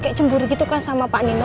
kayak cemburu gitu kan sama panino